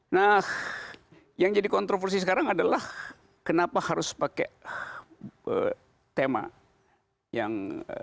nah yang jadi kontroversi sekarang adalah kenapa harus pakai tema yang